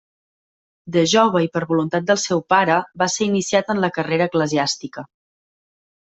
De jove i per voluntat del seu pare, va ser iniciat en la carrera eclesiàstica.